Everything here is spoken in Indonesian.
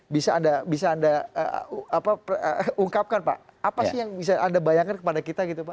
bisa anda ungkapkan pak apa sih yang bisa anda bayangkan kepada kita gitu pak